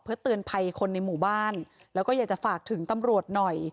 เพื่อเตือนภัยคนในหมู่บ้านแล้วก็อยากจะฝากถึงตำรวจหน่อย